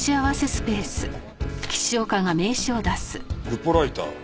ルポライター。